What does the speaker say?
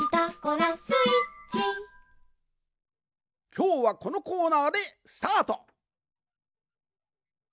きょうはこのコーナーでスタート。